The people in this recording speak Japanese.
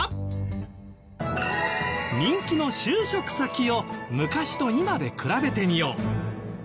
人気の就職先を昔と今で比べてみよう。